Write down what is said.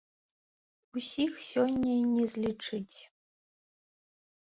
Усіх сёння і не злічыць.